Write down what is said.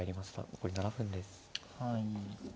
残り７分です。